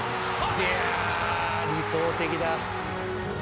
いや理想的だ。